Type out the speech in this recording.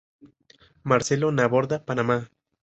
Marcelo Narbona, Panama.